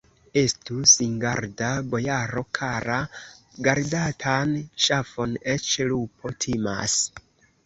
Estu singarda, bojaro kara: gardatan ŝafon eĉ lupo timas!